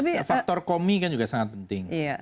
persis faktor komi kan juga sangat penting